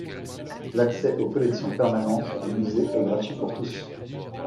L'accès aux collections permanentes du musée est gratuit pour tous.